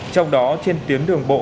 trong đó trên tiến đường bộ